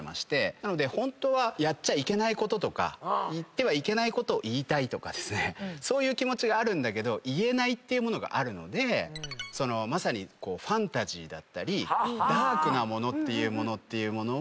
なのでホントはやっちゃいけないこととか言ってはいけないことを言いたいとかそういう気持ちがあるけど言えないってものがあるのでまさにファンタジーだったりダークなものっていうものを。